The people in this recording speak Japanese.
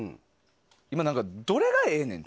今、どれがええねん。